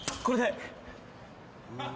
これで。